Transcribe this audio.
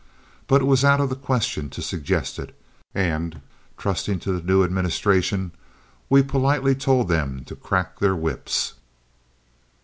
But it was out of the question to suggest it, and, trusting to the new administration, we politely told them to crack their whips.